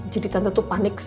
jadi tante tuh panik